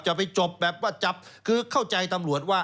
จะไปจบแบบว่าจับคือเข้าใจตำรวจว่า